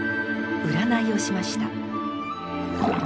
占いをしました。